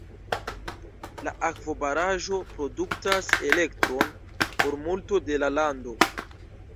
La akvobaraĵo produktas elektron por multo de la lando.